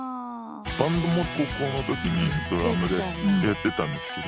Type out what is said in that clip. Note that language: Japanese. バンドも高校の時にドラムでやってたんですけど